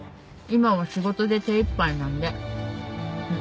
今は仕事で手いっぱいなんで。